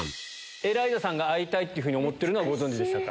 エライザさんが会いたいというふうに思ってるのはご存知でしたか？